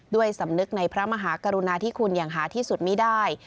ด้วยสำนึกในพระมหากรุณาที่คุณอย่างหาที่สุดไม่ได้